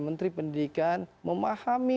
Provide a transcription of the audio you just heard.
menteri pendidikan memahami